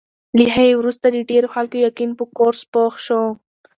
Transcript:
له هغې وروسته د ډېرو خلکو یقین په کورس پوخ شو.